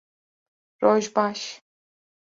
Roj baş!